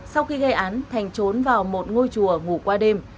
sau khi gây án thành trốn vào một ngôi chùa ngủ qua đêm